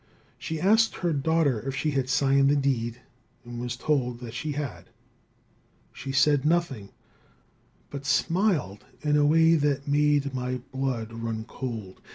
She asked her daughter if she had signed the deed and was told that she had. She said nothing, but smiled in a way that made my blood run cold.